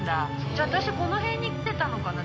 じゃあ、私、この辺に来てたのかな。